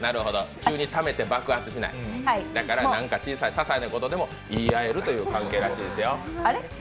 急にためて爆発しない、ささいなことでも言い合える関係らしいですよ。